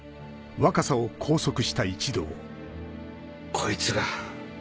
こいつが。